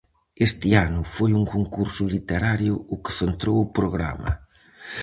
Este ano foi un concurso literario o que centrou o programa.